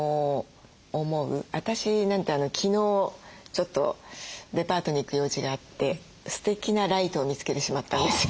私なんて昨日ちょっとデパートに行く用事があってすてきなライトを見つけてしまったんですよ。